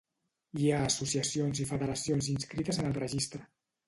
Hi ha associacions i federacions inscrites en el Registre.